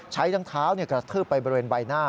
ใช้ทั้งเท้ากระทืบไปบริเวณใบหน้า